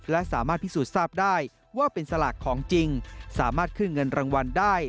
และสามารถพิสูจน์ทราบได้ว่าเป็นสลากของจริงสามารถขึ้นเงินรางวัลได้